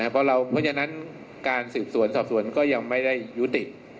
เพราะฉะนั้นการสืบสวนสอบสวนก็ยังไม่ได้ยุติ